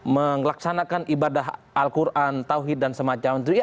mengelaksanakan ibadah al qur'an tauhid dan semacamnya